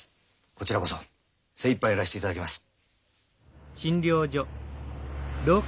こちらこそ精いっぱいやらせていただきます。